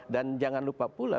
dan jangan lupa pula